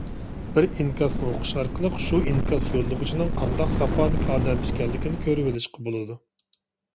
بىر ئىنكاسنى ئوقۇش ئارقىلىق شۇ ئىنكاس يوللىغۇچىنىڭ قانداق ساپادىكى ئادەم ئىكەنلىكىنى كۆرۈۋېلىشقا بولىدۇ.